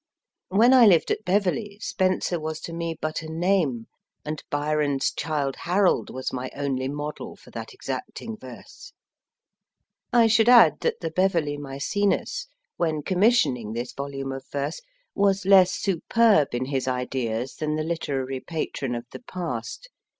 When I lived at Bcverley, Spenser was to me but a name, and Byron s Childe Harold was my only model for that exacting verse. I should add that the Beverley Maecenas, when commissioning this volume of verse, was less superb in his ideas than the literary patron of the past.